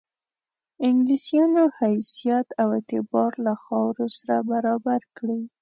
انګلیسیانو حیثیت او اعتبار له خاورو سره برابر کړي.